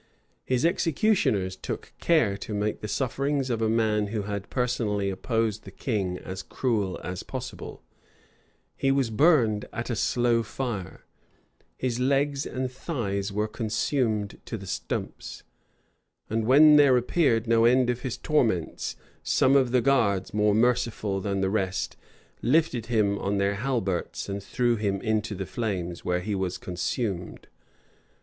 His executioners took care to make the sufferings of a man who had personally opposed the king as cruel as possible: he was burned at a slow fire; his legs and thighs were consumed to the stumps; and when there appeared no end of his torments, some of the guards, more merciful than the rest, lifted him on their halberts and threw him into the flames, where he was consumed.